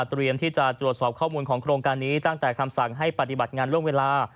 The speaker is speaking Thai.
ที่จะตรวจสอบข้อมูลของโครงการนี้ตั้งแต่คำสั่งให้ปฏิบัติงานล่วงเวลา